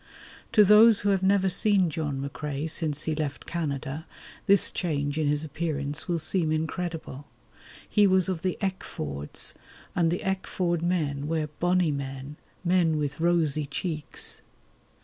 To those who have never seen John McCrae since he left Canada this change in his appearance will seem incredible. He was of the Eckfords, and the Eckford men were "bonnie men", men with rosy cheeks.